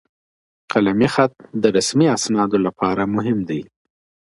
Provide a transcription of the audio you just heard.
قلمي خط د رسمي اسنادو لپاره مهم دي.